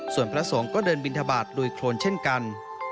ส่วนพระสงฆ์ก็เดินบินทบาทลุยโครนเช่นกัน